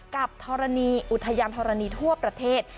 กับธรณีอุทยานธรณีทั่วประเทศ